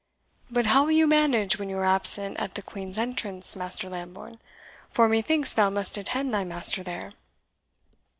"But how will you manage when you are absent at the Queen's entrance, Master Lambourne; for methinks thou must attend thy master there?"